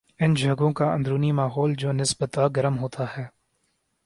ان جگہوں کا اندرونی ماحول جو نسبتا گرم ہوتا ہے